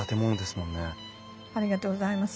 ありがとうございます。